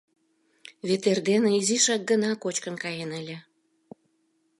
вет эрдене изишак гына кочкын каен ыле.